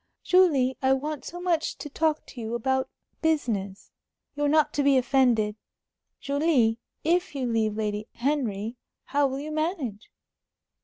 "Julie, I want so much to talk to you about business. You're not to be offended. Julie, if you leave Lady Henry, how will you manage?"